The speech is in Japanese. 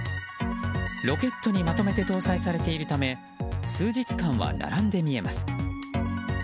ロケットにまとめて搭載されているため数日間は並んで見えます。